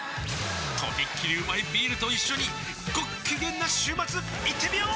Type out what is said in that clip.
とびっきりうまいビールと一緒にごっきげんな週末いってみよー！